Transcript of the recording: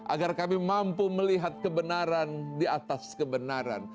agar kami mampu melihat kebenaran di atas kebenaran